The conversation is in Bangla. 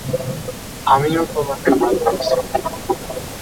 আমিও তোমাকে ভালোবাসি।